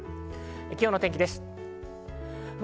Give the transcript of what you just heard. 今日の天気です。